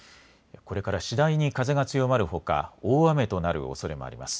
これから次第に風が強まるほか大雨となるおそれもあります。